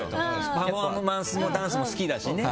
パフォーマンスもダンスも好きだしね。